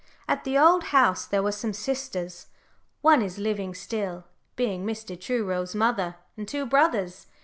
At the Old House there were some sisters one is living still, being Mr. Truro's mother and two brothers.